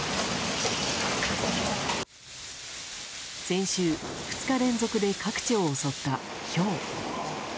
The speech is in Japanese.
先週、２日連続で各地を襲ったひょう。